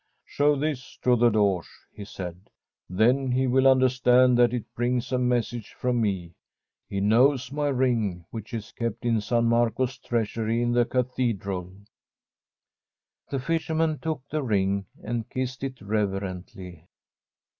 ' Show this to the Doge,' he said, * then he will understand that it brings a message from me. He knows my ring, which is kept in San Marco's treasury in the cathedral.' from a SfVEDlSM HOMESTEAD The fisherman took the ring, and kissed it reverently.